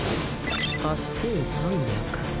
８，３００。